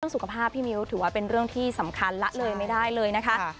สุขภาพพี่มิ้วถือว่าเป็นเรื่องที่สำคัญละเลยไม่ได้เลยนะคะ